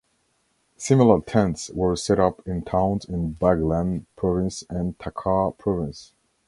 Similar tents were set up in towns in Baghlan Province and Takhar Province.